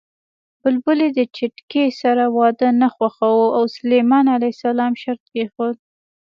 بلبلې د چتکي سره واده نه خوښاوه او سلیمان ع شرط کېښود